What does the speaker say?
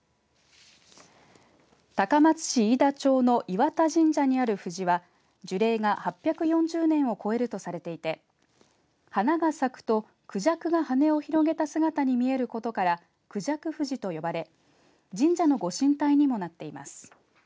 高松市飯田町の岩田神社にある藤は樹齢が８４０年を超えるとされていて花が咲くと孔雀が羽を広げた姿に見えることから孔雀ふじと呼ばれ神社のご神体にもなっています。